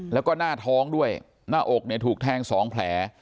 แล้วก็หน้าท้องด้วยหน้าอกเนี่ยถูกแทง๒แผล